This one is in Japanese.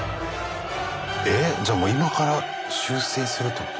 えっじゃもう今から修正するってこと？